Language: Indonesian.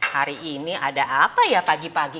hari ini ada apa ya pagi pagi